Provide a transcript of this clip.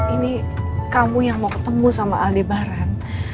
ini kamu yang mau ketemu sama aldebaran